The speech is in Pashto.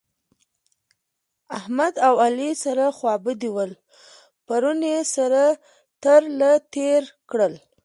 احمد او علي سره خوابدي ول؛ پرون يې سره تر له تېر کړل